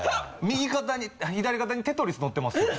右肩に左肩にテトリスのってます。